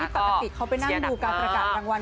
ปกติเขาไปนั่งดูการประกาศรางวัล